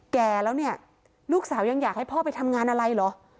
แก่แล้วเนี่ยลูกสาวยังอยากให้พ่อไปทำงานอะไรเหรอ